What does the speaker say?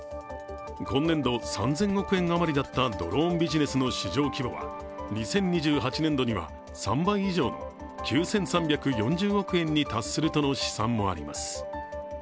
今年度、３０００億円余りだったドローンビジネスの市場規模は２０２８年度には３倍以上の９３４０億円に達するとの試算もあります。